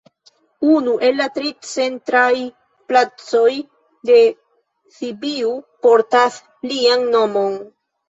Unu el la tri centraj placoj de Sibiu portas lian nomon.